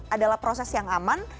adalah proses yang aman